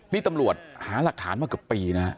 นี่ตำรวจหาหลักฐานมาเกือบปีนะฮะ